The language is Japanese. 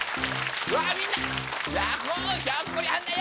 わあみんなひょっこりはんだよ。